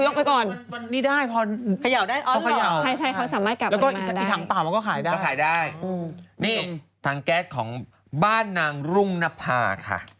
นี่ทางแก๊สของบ้านนางรุ่งนภาค่ะ